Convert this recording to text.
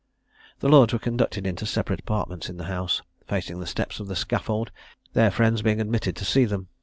The lords were conducted into separate apartments in the house, facing the steps of the scaffold, their friends being admitted to see them.